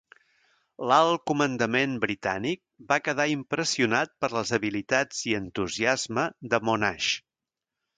L'Alt Comandament Britànic va quedar impressionat per les habilitats i entusiasme de Monash.